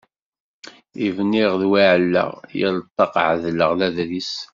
I bniɣ d wi ɛellaɣ, yal ṭṭaq ɛedleɣ ladris.